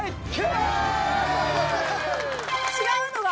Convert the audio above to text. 違うのが。